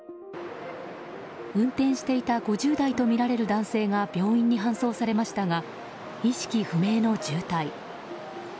運転していた５０代とみられる男性が病院に搬送されましたが意識不明の重体。